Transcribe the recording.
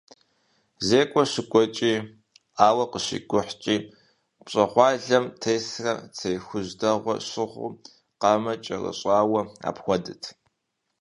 Зекӏуэ щыкӏуэкӏи, ауэ къыщикӏухькӏи, пщӏэгъуалэм тесрэ цей хужь дэгъуэ щыгъыу, къамэ кӏэрыщӏауэ апхуэдэт.